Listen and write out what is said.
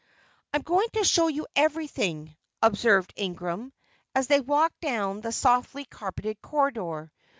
"I am going to show you everything," observed Ingram, as they walked down the softly carpeted corridor.